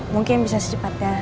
mungkin bisa secepatnya